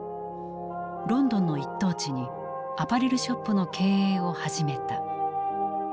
ロンドンの一等地にアパレルショップの経営を始めた。